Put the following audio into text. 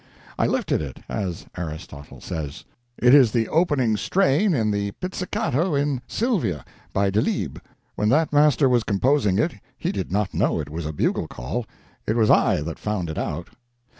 I lifted it, as Aristotle says. It is the opening strain in The Pizzicato in Sylvia, by Delibes. When that master was composing it he did not know it was a bugle call, it was I that found it out.